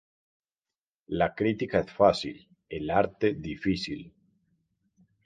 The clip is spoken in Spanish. La crítica es fácil, el arte difícil